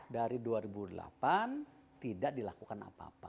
dari dua ribu delapan tidak dilakukan apa apa